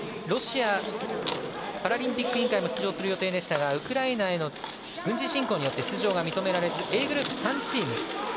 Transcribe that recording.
ロシアパラリンピック委員会も出場する予定でしたがウクライナへの軍事侵攻によって出場が認められずＡグループ３チーム。